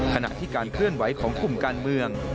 ขณะที่การเคลื่อนไหวของกลุ่มการเมือง